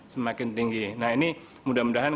semakin tinggi nah ini mudah mudahan